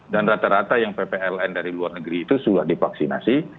dan rata rata yang ppln dari luar negeri itu sudah divaksinasi